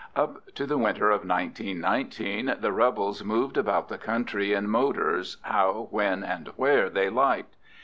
Up to the winter of 1919 the rebels moved about the country in motors, how, when, and where they liked.